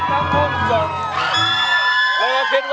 ทุกคนสุดคือ